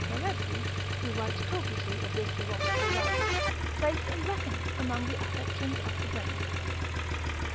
cerebri (who writes copiously of this erotical love), place and reckon it amongst the affections of the brain.